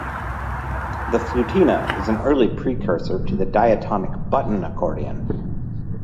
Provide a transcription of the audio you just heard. The flutina is an early precursor to the diatonic button accordion.